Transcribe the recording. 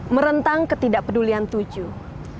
merentang ketidakpedulian tujuh